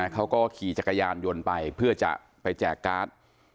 เขาก็ขี่จักรยานยนต์ไปเพื่อจะไปแจกการ์ด